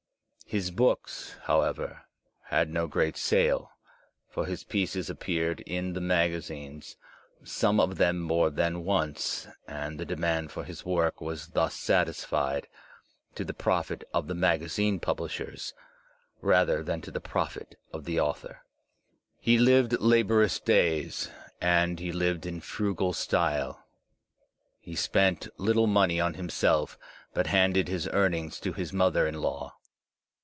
His books, however, had no great sale, for his pieces appeared in the magazines, some of them more than once, and the demand for his work was Digitized by Google 128 THE SPIRIT OP AMERICAN LITERATURE thus satisfied, to the profit of the magazine publishers rather than to the profit of the author. He lived laborious days and he lived in frugal style. He spent little money on himself, but handed his earnings to his mother in law.